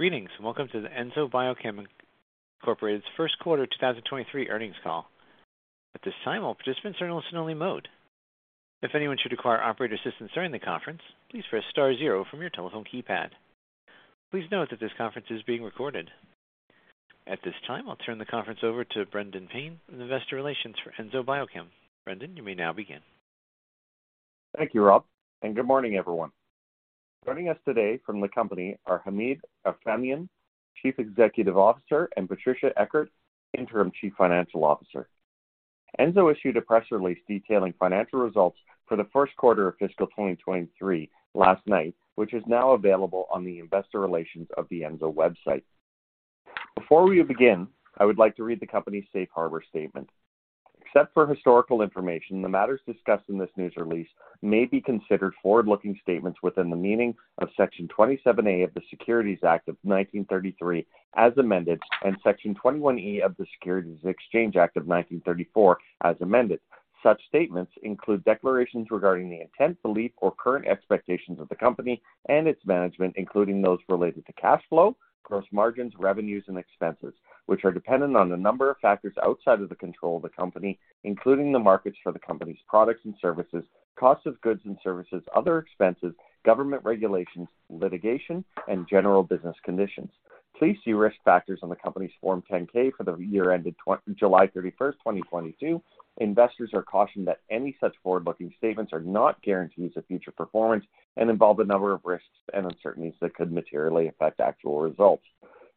Greetings, and welcome to the Enzo Biochem, Inc.'s first quarter 2023 earnings call. At this time, all participants are in listen-only mode. If anyone should require operator assistance during the conference, please press star zero from your telephone keypad. Please note that this conference is being recorded. At this time, I'll turn the conference over to Brendan Payne, an investor relations for Enzo Biochem. Brendan, you may now begin. Thank you, Rob. Good morning, everyone. Joining us today from the company are Hamid Erfanian, Chief Executive Officer, and Patricia Eckert, Interim Chief Financial Officer. Enzo issued a press release detailing financial results for the first quarter of fiscal 2023 last night, which is now available on the investor relations of the Enzo website. Before we begin, I would like to read the company's safe harbor statement. Except for historical information, the matters discussed in this news release may be considered forward-looking statements within the meaning of Section Twenty-seven A of the Securities Act of 1933, as amended, and Section twenty-one E of the Securities Exchange Act of 1934, as amended. Such statements include declarations regarding the intent, belief, or current expectations of the company and its management, including those related to cash flow, gross margins, revenues, and expenses, which are dependent on a number of factors outside of the control of the company, including the markets for the company's products and services, cost of goods and services, other expenses, government regulations, litigation, and general business conditions. Please see risk factors on the company's Form 10-K for the year ended July 31st, 2022. Investors are cautioned that any such forward-looking statements are not guarantees of future performance and involve a number of risks and uncertainties that could materially affect actual results.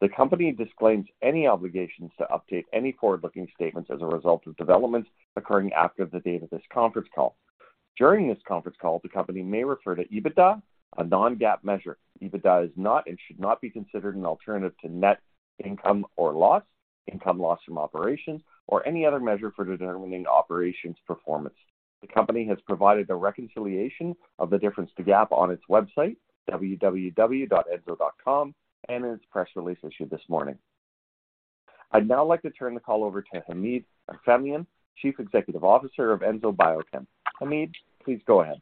The company disclaims any obligations to update any forward-looking statements as a result of developments occurring after the date of this conference call. During this conference call, the company may refer to EBITDA, a non-GAAP measure. EBITDA is not and should not be considered an alternative to net income or loss, income loss from operations, or any other measure for determining operations performance. The company has provided a reconciliation of the difference to GAAP on its website, www.enzo.com, and in its press release issued this morning. I'd now like to turn the call over to Hamid Erfanian, Chief Executive Officer of Enzo Biochem. Hamid, please go ahead.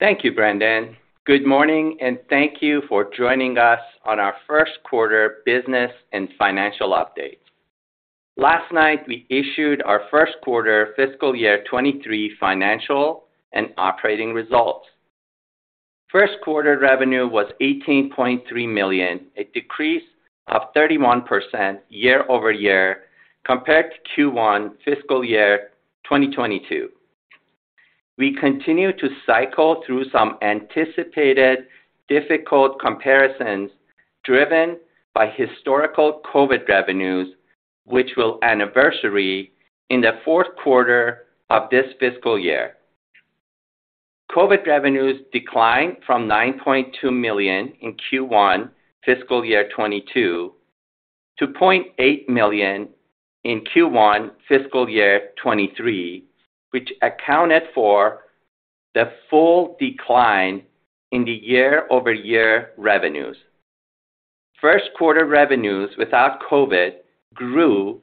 Thank you, Brendan. Good morning, and thank you for joining us on our first quarter business and financial update. Last night, we issued our first quarter fiscal year 2023 financial and operating results. First quarter revenue was $18.3 million, a decrease of 31% year-over-year compared to Q1 fiscal year 2022. We continue to cycle through some anticipated difficult comparisons driven by historical COVID revenues, which will anniversary in the fourth quarter of this fiscal year. COVID revenues declined from $9.2 million in Q1 fiscal year 2022 to $0.8 million in Q1 fiscal year 2023, which accounted for the full decline in the year-over-year revenues. First quarter revenues without COVID grew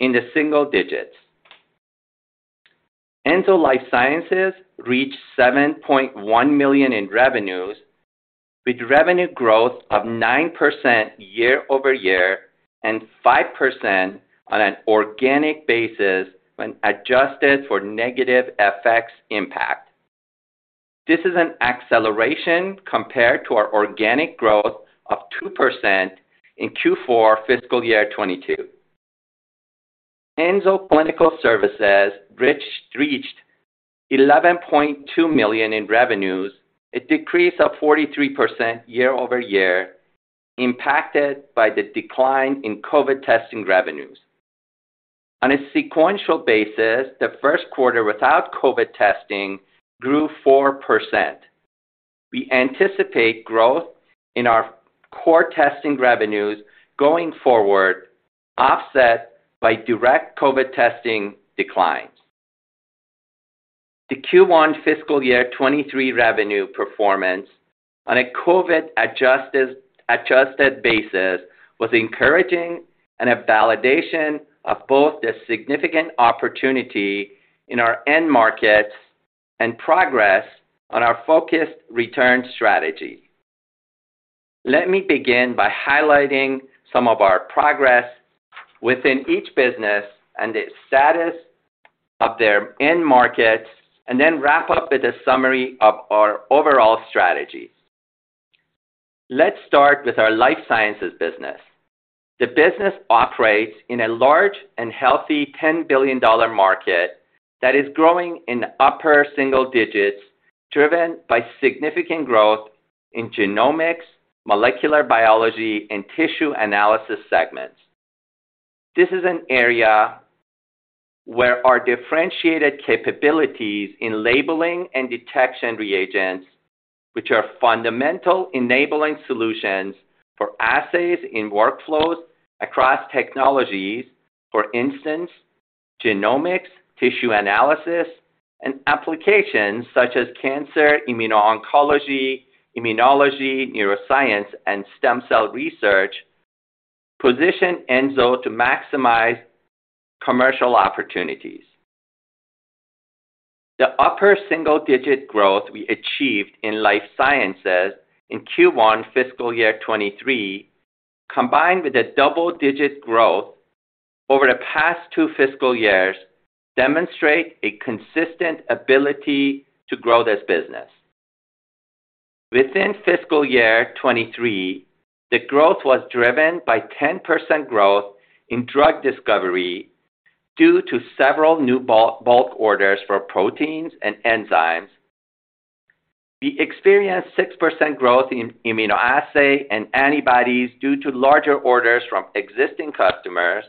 in the single digits. Enzo Life Sciences reached $7.1 million in revenues, with revenue growth of 9% year-over-year and 5% on an organic basis when adjusted for negative FX impact. This is an acceleration compared to our organic growth of 2% in Q4 fiscal year 2022. Enzo Clinical Labs reached $11.2 million in revenues, a decrease of 43% year-over-year, impacted by the decline in COVID testing revenues. On a sequential basis, the first quarter without COVID testing grew 4%. We anticipate growth in our core testing revenues going forward, offset by direct COVID testing declines. The Q1 fiscal year 2023 revenue performance on a COVID-adjusted basis was encouraging and a validation of both the significant opportunity in our end markets and progress on our focused return strategy. Let me begin by highlighting some of our progress within each business and the status of their end markets, and then wrap up with a summary of our overall strategy. Let's start with our life sciences business. The business operates in a large and healthy $10 billion market that is growing in upper single digits, driven by significant growth in genomics, molecular biology, and tissue analysis segments. This is an area where our differentiated capabilities in labeling and detection reagents, which are fundamental enabling solutions for assays in workflows across technologies, for instance, genomics, tissue analysis, and applications such as cancer, immuno-oncology, immunology, neuroscience, and stem cell research, position Enzo to maximize commercial opportunities. The upper single-digit growth we achieved in life sciences in Q1 fiscal year 2023, combined with the double-digit growth over the past two fiscal years, demonstrate a consistent ability to grow this business. Within fiscal year 23, the growth was driven by 10% growth in drug discovery due to several new bulk orders for proteins and enzymes. We experienced 6% growth in immunoassay and antibodies due to larger orders from existing customers.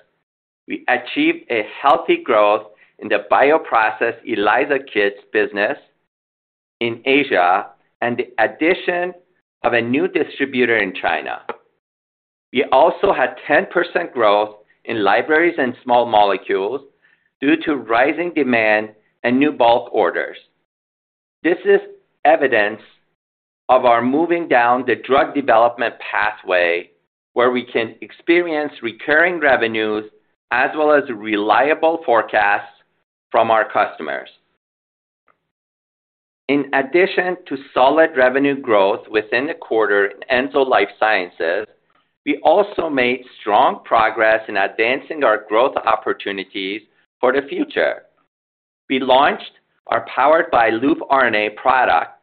We achieved a healthy growth in the bioprocess ELISA kits business in Asia and the addition of a new distributor in China. We also had 10% growth in libraries and small molecules due to rising demand and new bulk orders. This is evidence of our moving down the drug development pathway, where we can experience recurring revenues as well as reliable forecasts from our customers. In addition to solid revenue growth within the quarter in Enzo Life Sciences, we also made strong progress in advancing our growth opportunities for the future. We launched our Powered by LOOP RNA product,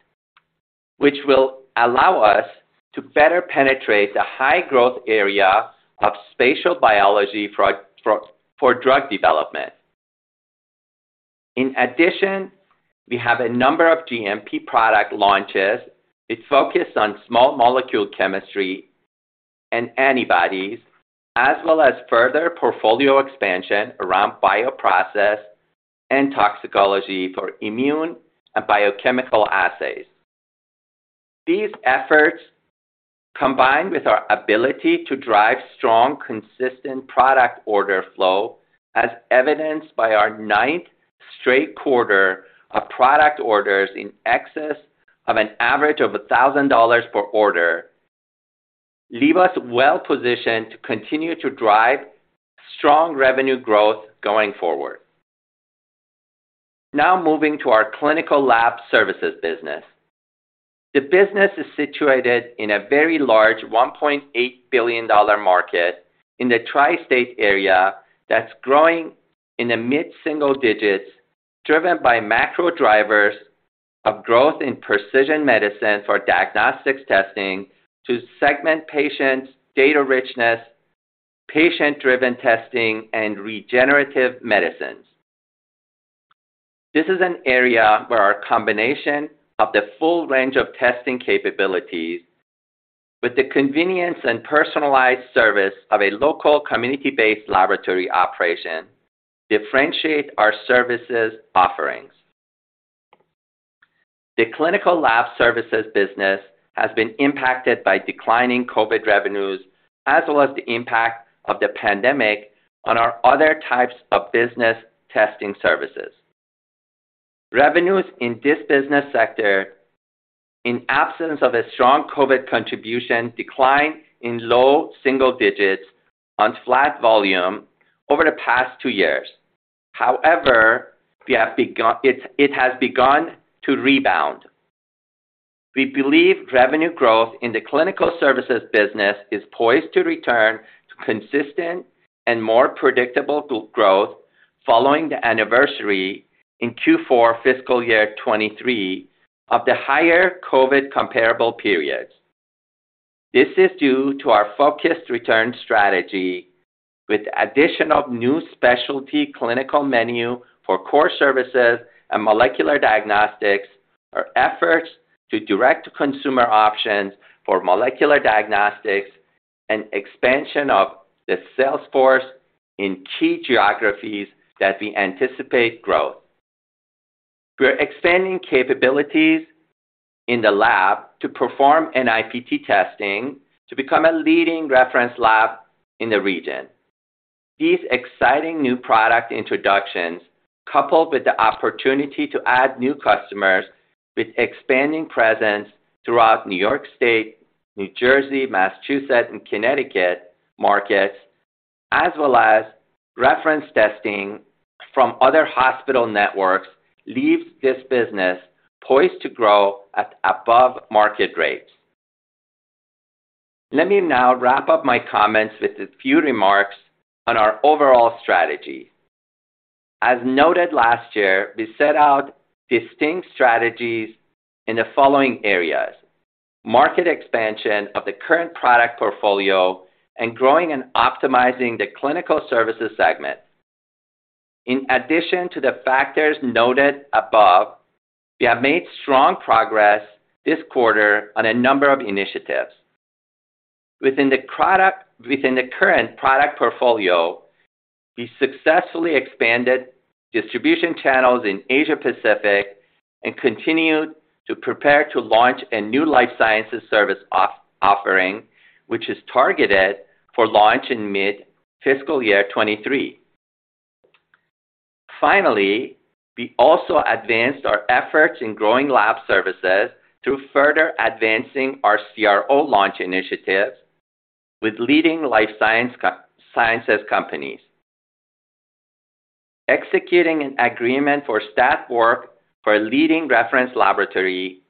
which will allow us to better penetrate the high-growth area of spatial biology for drug development. We have a number of GMP product launches. It's focused on small molecule chemistry and antibodies, as well as further portfolio expansion around bioprocess and toxicology for immune and biochemical assays. These efforts, combined with our ability to drive strong, consistent product order flow, as evidenced by our ninth straight quarter of product orders in excess of an average of $1,000 per order, leave us well-positioned to continue to drive strong revenue growth going forward. Moving to our clinical lab services business. The business is situated in a very large $1.8 billion market in the tri-state area that's growing in the mid-single digits, driven by macro drivers of growth in precision medicine for diagnostics testing to segment patients' data richness, patient-driven testing, and regenerative medicines. This is an area where our combination of the full range of testing capabilities with the convenience and personalized service of a local community-based laboratory operation differentiate our services offerings. The clinical lab services business has been impacted by declining COVID revenues as well as the impact of the pandemic on our other types of business testing services. Revenues in this business sector, in absence of a strong COVID contribution, declined in low single digits on flat volume over the past two years. However, it has begun to rebound. We believe revenue growth in the clinical services business is poised to return to consistent and more predictable growth following the anniversary in Q4 fiscal year 2023 of the higher COVID comparable periods. This is due to our focused return strategy with addition of new specialty clinical menu for core services and molecular diagnostics, our efforts to direct consumer options for molecular diagnostics, and expansion of the sales force in key geographies that we anticipate growth. We're expanding capabilities in the lab to perform NIPT testing to become a leading reference lab in the region. These exciting new product introductions, coupled with the opportunity to add new customers with expanding presence throughout New York State, New Jersey, Massachusetts, and Connecticut markets, as well as reference testing from other hospital networks, leaves this business poised to grow at above market rates. Let me now wrap up my comments with a few remarks on our overall strategy. As noted last year, we set out distinct strategies in the following areas: market expansion of the current product portfolio and growing and optimizing the clinical services segment. In addition to the factors noted above, we have made strong progress this quarter on a number of initiatives. Within the current product portfolio, we successfully expanded distribution channels in Asia-Pacific and continued to prepare to launch a new life sciences service offering, which is targeted for launch in mid-fiscal year 23. Finally, we also advanced our efforts in growing lab services through further advancing our CRO launch initiatives with leading life sciences companies, executing an agreement for stat work for a leading reference laboratory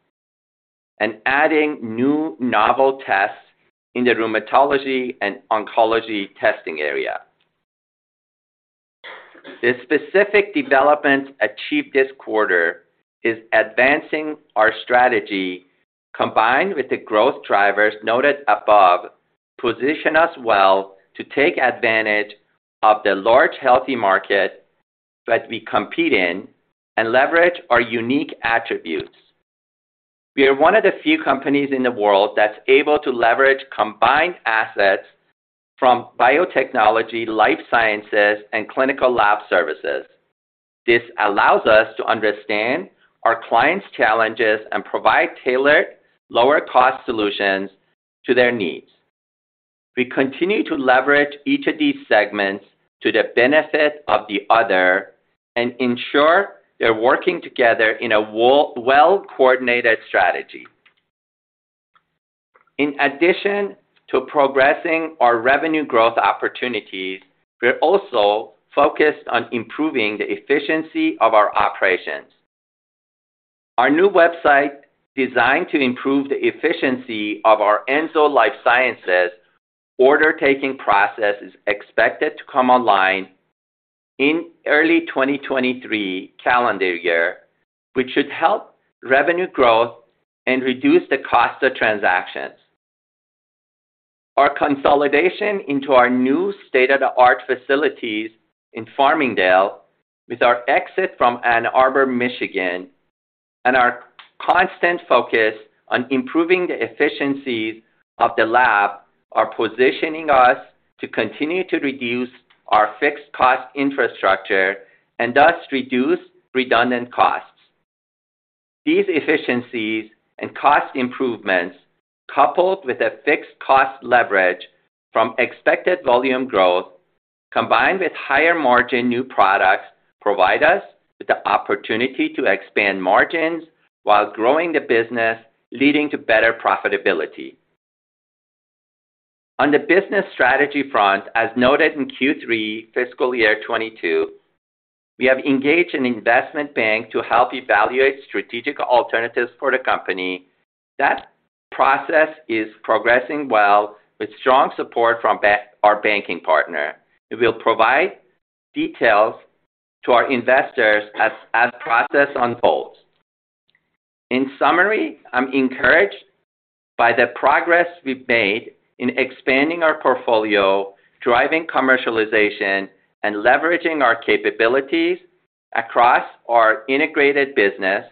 and adding new novel tests in the rheumatology and oncology testing area. The specific developments achieved this quarter is advancing our strategy combined with the growth drivers noted above, position us well to take advantage of the large healthy market that we compete in and leverage our unique attributes. We are one of the few companies in the world that's able to leverage combined assets from biotechnology, life sciences, and clinical lab services. This allows us to understand our clients' challenges and provide tailored, lower-cost solutions to their needs. We continue to leverage each of these segments to the benefit of the other and ensure they're working together in a well-coordinated strategy. In addition to progressing our revenue growth opportunities, we're also focused on improving the efficiency of our operations. Our new website, designed to improve the efficiency of our Enzo Life Sciences order-taking process, is expected to come online in early 2023 calendar year, which should help revenue growth and reduce the cost of transactions. Our consolidation into our new state-of-the-art facilities in Farmingdale, with our exit from Ann Arbor, Michigan, and our constant focus on improving the efficiencies of the lab are positioning us to continue to reduce our fixed cost infrastructure and thus reduce redundant costs. These efficiencies and cost improvements, coupled with a fixed cost leverage from expected volume growth, combined with higher margin new products, provide us with the opportunity to expand margins while growing the business, leading to better profitability. On the business strategy front, as noted in Q3 fiscal year 22, we have engaged an investment bank to help evaluate strategic alternatives for the company. That process is progressing well with strong support from our banking partner, who will provide details to our investors as the process unfolds. In summary, I'm encouraged by the progress we've made in expanding our portfolio, driving commercialization, and leveraging our capabilities across our integrated business.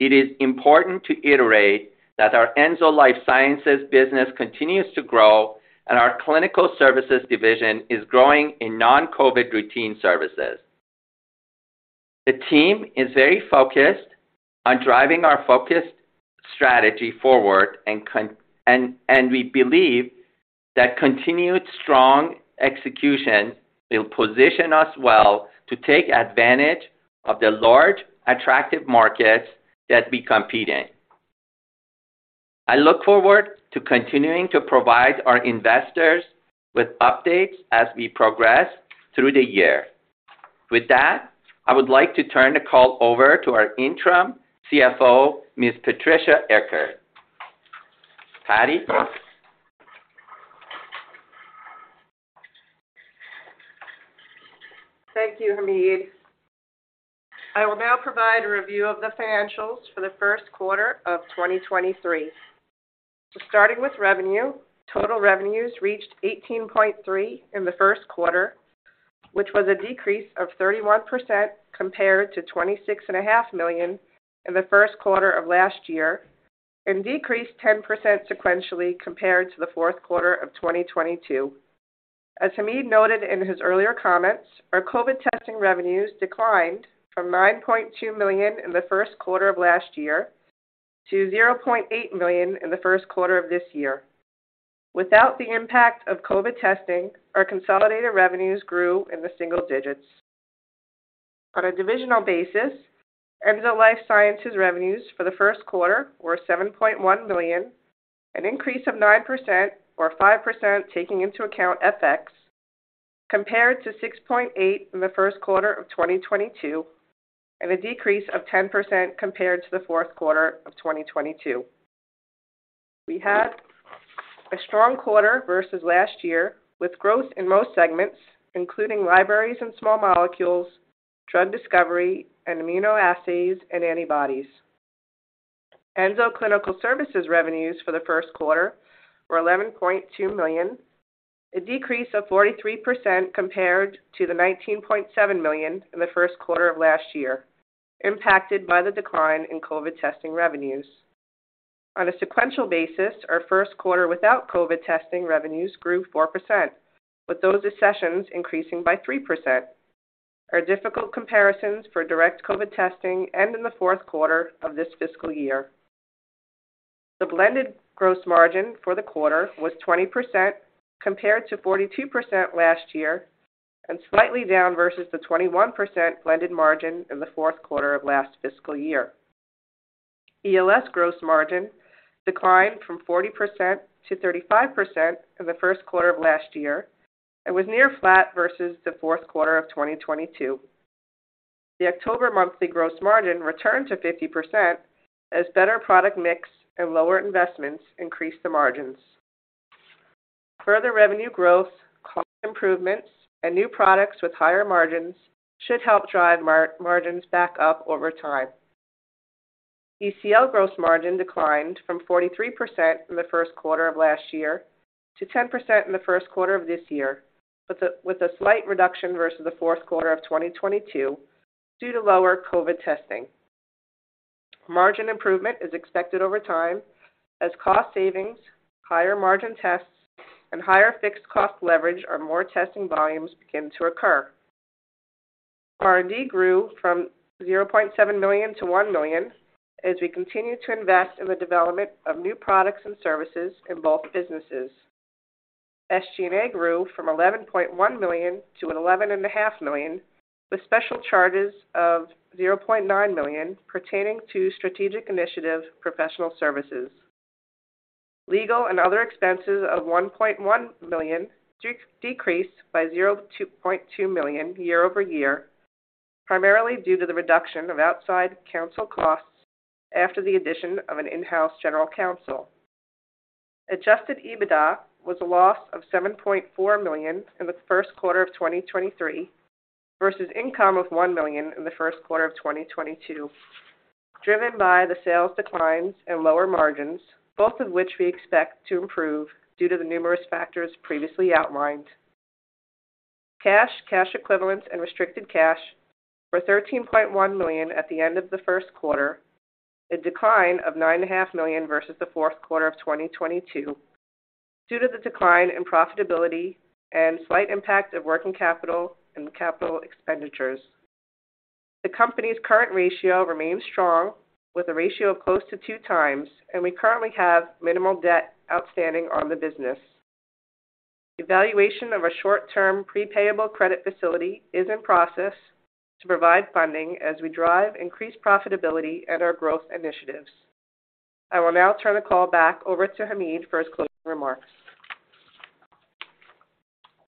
It is important to iterate that our Enzo Life Sciences business continues to grow and our clinical services division is growing in non-COVID routine services. The team is very focused on driving our focused strategy forward and we believe that continued strong execution will position us well to take advantage of the large attractive markets that we compete in. I look forward to continuing to provide our investors with updates as we progress through the year. I would like to turn the call over to our interim CFO, Ms. Patricia Eckert. Patty? Thank you, Hamid. I will now provide a review of the financials for the first quarter of 2023. Starting with revenue, total revenues reached $18.3 million in the first quarter, which was a decrease of 31% compared to $26.5 million in the first quarter of last year and decreased 10% sequentially compared to the fourth quarter of 2022. As Hamid noted in his earlier comments, our COVID testing revenues declined from $9.2 million in the first quarter of last year to $0.8 million in the first quarter of this year. Without the impact of COVID testing, our consolidated revenues grew in the single digits. On a divisional basis, Enzo Life Sciences revenues for the first quarter were $7.1 million, an increase of 9% or 5% taking into account FX, compared to $6.8 million in the first quarter of 2022 and a decrease of 10% compared to the fourth quarter of 2022. We had a strong quarter versus last year, with growth in most segments, including libraries and small molecules, drug discovery, and immunoassays and antibodies. Enzo Clinical Labs revenues for the first quarter were $11.2 million, a decrease of 43% compared to the $19.7 million in the first quarter of last year, impacted by the decline in COVID testing revenues. On a sequential basis, our first quarter without COVID testing revenues grew 4%, with those assessments increasing by 3%. Our difficult comparisons for direct COVID testing end in the fourth quarter of this fiscal year. The blended gross margin for the quarter was 20% compared to 42% last year and slightly down versus the 21% blended margin in the fourth quarter of last fiscal year. ELS gross margin declined from 40% to 35% in the first quarter of last year and was near flat versus the fourth quarter of 2022. The October monthly gross margin returned to 50% as better product mix and lower investments increased the margins. Further revenue growth, cost improvements, and new products with higher margins should help drive margins back up over time. ECL gross margin declined from 43% in the first quarter of last year to 10% in the first quarter of this year, with a slight reduction versus the fourth quarter of 2022 due to lower COVID testing. Margin improvement is expected over time as cost savings, higher margin tests, and higher fixed cost leverage or more testing volumes begin to occur. R&D grew from $0.7 million to $1 million as we continue to invest in the development of new products and services in both businesses. SG&A grew from $11.1 million to $11.5 million, with special charges of $0.9 million pertaining to strategic initiative professional services. Legal and other expenses of $1.1 million decreased by $0.2 million year-over-year, primarily due to the reduction of outside counsel costs after the addition of an in-house general counsel. Adjusted EBITDA was a loss of $7.4 million in the first quarter of 2023 versus income of $1 million in the first quarter of 2022, driven by the sales declines and lower margins, both of which we expect to improve due to the numerous factors previously outlined. Cash, cash equivalents and restricted cash were $13.1 million at the end of the first quarter, a decline of $9.5 million versus the fourth quarter of 2022 due to the decline in profitability and slight impact of working capital and capital expenditures. The company's current ratio remains strong with a ratio of close to two times, and we currently have minimal debt outstanding on the business. Evaluation of a short-term, prepayable credit facility is in process to provide funding as we drive increased profitability and our growth initiatives. I will now turn the call back over to Hamid for his closing remarks.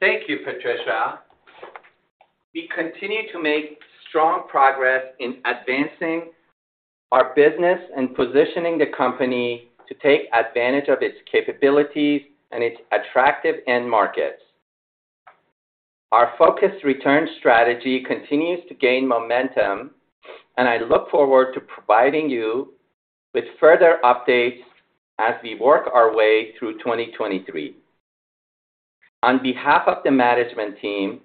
Thank you, Patricia. We continue to make strong progress in advancing our business and positioning the company to take advantage of its capabilities and its attractive end markets. Our focused return strategy continues to gain momentum. I look forward to providing you with further updates as we work our way through 2023. On behalf of the management team,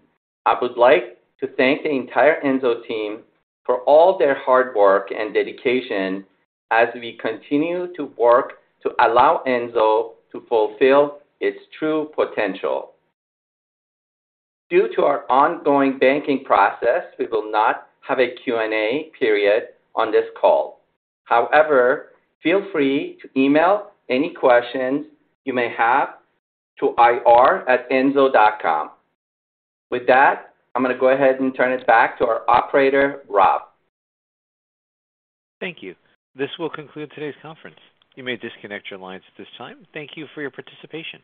I would like to thank the entire Enzo team for all their hard work and dedication as we continue to work to allow Enzo to fulfill its true potential. Due to our ongoing banking process, we will not have a Q&A period on this call. However, feel free to email any questions you may have to ir@enzo.com. With that, I'm gonna go ahead and turn this back to our operator, Rob. Thank you. This will conclude today's conference. You may disconnect your lines at this time. Thank you for your participation.